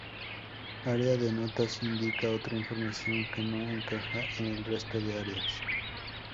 Área de notas: Indica otra información que no encaja en el resto de áreas.